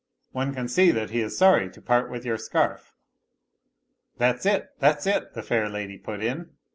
" One can see that he is sorry to part with your scarf." " That's it, that's it !" the fair lady put in.